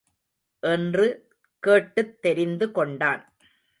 என்று கேட்டுத் தெரிந்து கொண்டான்.